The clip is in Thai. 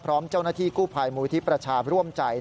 พร้อมเจ้าหน้าที่กู้ภัยมูลที่ประชาร่วมใจ